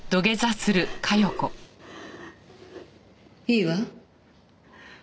いいわ。